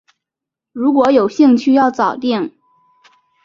如果有兴趣要早定